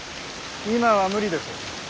今は無理です。